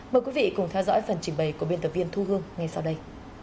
mời quý vị cùng theo dõi phần trình bày của biên tập viên thu hương ngay sau đây